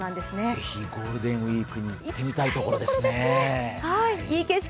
ぜひゴールデンウイークに行ってみたい所ですね。